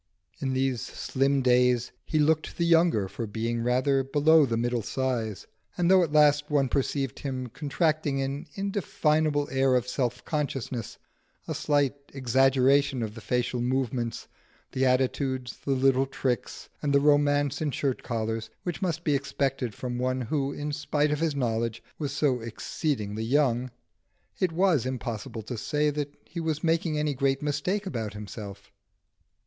In these slim days he looked the younger for being rather below the middle size, and though at last one perceived him contracting an indefinable air of self consciousness, a slight exaggeration of the facial movements, the attitudes, the little tricks, and the romance in shirt collars, which must be expected from one who, in spite of his knowledge, was so exceedingly young, it was impossible to say that he was making any great mistake about himself.